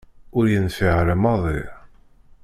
Ur yenfiε ara maḍi.